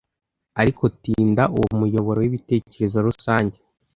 'Ariko tinda uwo muyoboro w'ibitekerezo rusange,